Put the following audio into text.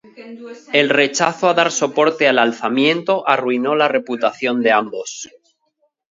El rechazo a dar soporte al alzamiento arruinó la reputación de ambos.